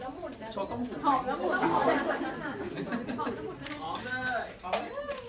หมุนมาด้านซ้ายด้วยนะครับ